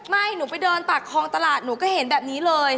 หนูไปเดินปากคลองตลาดหนูก็เห็นแบบนี้เลย